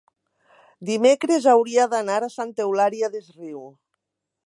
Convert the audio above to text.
Dimecres hauria d'anar a Santa Eulària des Riu.